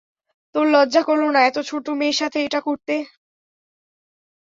তোর লজ্জা করল না এত ছোট মেয়ের সাথে এটা করতে।